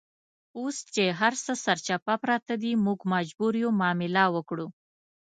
اوس چې هرڅه سرچپه پراته دي، موږ مجبور یو معامله وکړو.